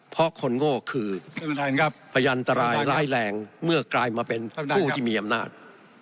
เพราะคนโง่คือพยันตรายร้ายแรงเมื่อกลายมาเป็นผู้ที่มีอำนาจ